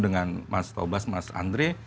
dengan mas tobas mas andre